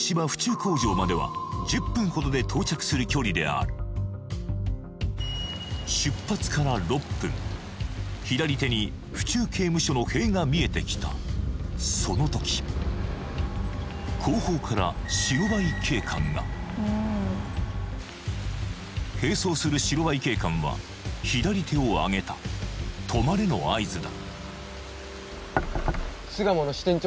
工場までは１０分ほどで到着する距離である出発から６分左手に府中刑務所の塀が見えてきたその時後方から白バイ警官が並走する白バイ警官は左手をあげた止まれの合図だ